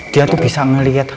dia tuh bisa ngeliat